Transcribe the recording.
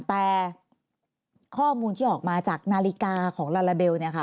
แต่ข้อมูลที่ออกมาจากนาฬิกาของลาลาเบล